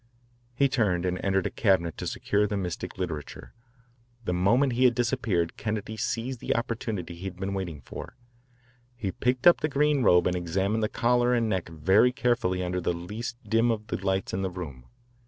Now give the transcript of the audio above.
He turned and entered a cabinet to secure the mystic literature. The moment he had disappeared Kennedy seized the opportunity he had been waiting for. He picked up the green robe and examined the collar and neck very carefully under the least dim of the lights in the room.